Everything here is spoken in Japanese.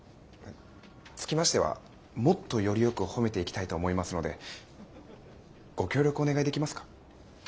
つきましてはもっとよりよく褒めていきたいと思いますのでご協力お願いできますか。